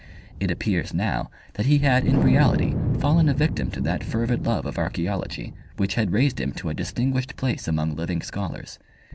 It appears now that he had in reality fallen a victim to that fervid love of archaeology which had raised him to a distinguished place among living scholars.